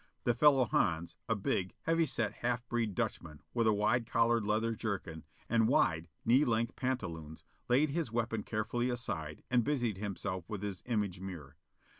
The fellow Hans, a big, heavy set half breed Dutchman with a wide collared leather jerkin and wide, knee length pantaloons, laid his weapon carefully aside and busied himself with his image mirror.